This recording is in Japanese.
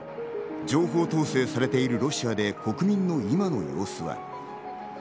情報統制されているロシアで国民の今の様子は？